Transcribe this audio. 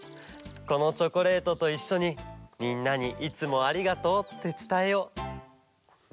このチョコレートといっしょにみんなに「いつもありがとう」ってつたえよう。